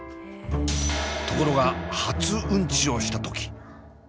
ところが初うんちをした時。